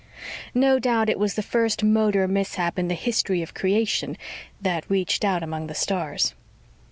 No doubt it was the first motor mishap in the history of creation that reached out among the stars.